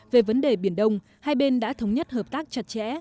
về vấn đề biển đông hai bên đã thống nhất hợp tác chặt chẽ